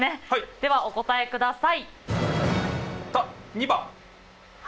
ではお答えください。